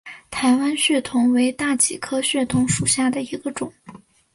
台湾血桐为大戟科血桐属下的一个种。